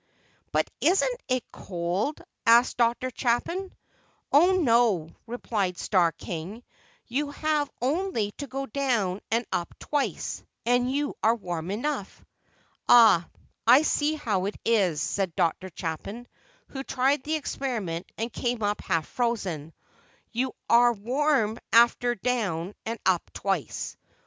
"But isn't it cold?" asked Dr. Chapin. "Oh, no," replied Starr King; "you have only to go down and up twice, and you are warm enough." "Ah, I see how it is," said Dr. Chapin, who tried the experiment and came up half frozen; "you are warm after down and up twice?